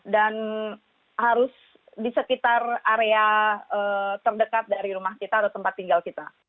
dan harus di sekitar area terdekat dari rumah kita atau tempat tinggal kita